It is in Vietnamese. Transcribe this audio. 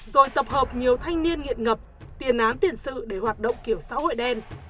rồi tập hợp nhiều thanh niên nghiện ngập tiền án tiền sự để hoạt động kiểu xã hội đen